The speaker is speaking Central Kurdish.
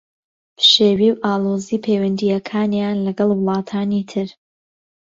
پشێوی و ئاڵۆزیی پەیوەندییەکان لەگەڵ وڵاتانی تر